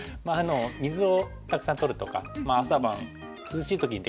水をたくさんとるとか朝晩涼しい時に出かけると。